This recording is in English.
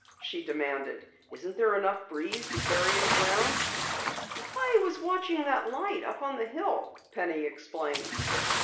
she demanded. "Isn't there enough breeze to carry us around?" "I was watching that light up on the hill," Penny explained.